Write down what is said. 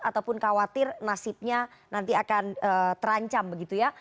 ataupun khawatir nasibnya nanti akan terancam begitu ya